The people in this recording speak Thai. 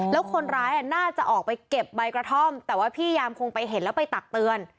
แล้วคนร้ายน่าจะออกไปเก็บใบกระท่อมแต่ว่าพี่ยามคงไปเห็นแล้วไปตักเตือน